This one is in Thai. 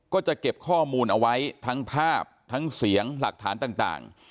ก็จะเก็บข้อมูลเอาไว้ทั้งภาพทั้งเสียงหลักฐานต่าง